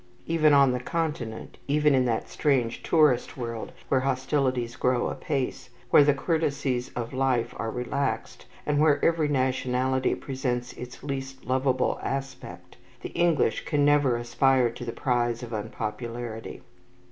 Even on the Continent, even in that strange tourist world where hostilities grow apace, where the courtesies of life are relaxed, and where every nationality presents its least lovable aspect, the English can never aspire to the prize of unpopularity.